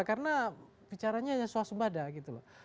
karena bicaranya swasembada gitu loh